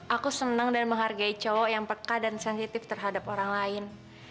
aku senang dan menghargai co yang peka dan sensitif terhadap orang lain